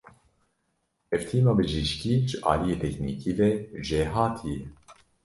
Ev tîma bijîşkî ji aliyê teknîkî ve jêhatî ye.